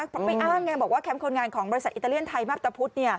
เพราะไปอ้างไงบอกว่าแคมป์คนงานของบริษัทอิตาเลียนไทยมาพตะพุธ